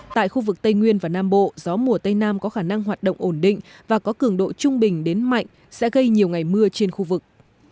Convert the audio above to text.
tại khu vực tây nguyên và nam bộ gió mùa tây nam có khả năng hoạt động ổn định và có cường độ trung bình đến mạnh sẽ gây nhiều ngày mưa trên khu vực